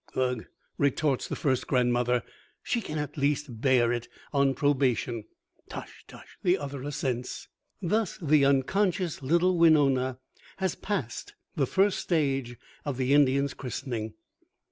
"Ugh," retorts the first grandmother, "she can at least bear it on probation!" "Tosh, tosh," the other assents. Thus the unconscious little Winona has passed the first stage of the Indian's christening.